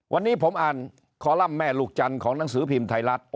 วันนี้ผมอ่านคอลัมป์แม่ลูกจันทร์ของหนังสือพิมพ์ไทยรัฐ